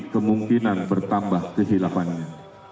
kemungkinan bertambah kehilafannya